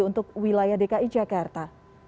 untuk wilayah dki jakarta